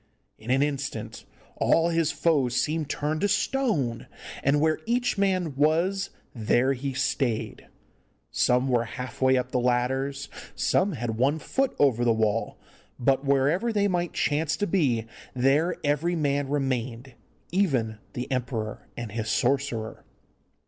In an instant all his foes seemed turned to stone, and where each man was there he stayed. Some were half way up the ladders, some had one foot over the wall, but wherever they might chance to be there every man remained, even the emperor and his sorcerer.